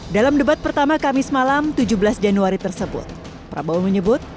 dalam debat pertama kamis malam tujuh belas januari tersebut prabowo menyebut